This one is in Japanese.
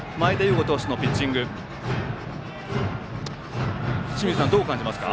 伍投手のピッチング清水さん、どう感じますか？